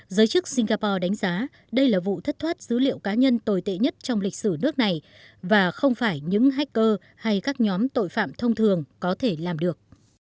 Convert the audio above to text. giới chức singapore đánh giá đây là vụ thất thoát dữ liệu cá nhân tồi tệ nhất trong lịch sử nước này và không phải những hacker hay các nhóm tội phạm thông thường có thể làm được